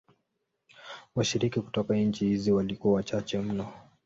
Washiriki kutoka nchi hizi walikuwa wachache mno.